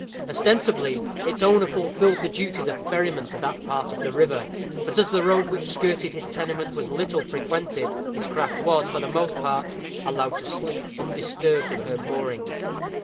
Ostensibly its owner fulfilled the duties of ferryman to that part of the river; but as the road which skirted his tenement was little frequented, his craft was, for the most part, allowed to sleep undisturbed in her moorings.